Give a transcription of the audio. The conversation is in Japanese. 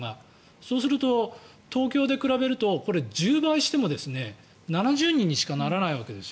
そうすると、東京で比べると１０倍しても７０人にしかならないわけです。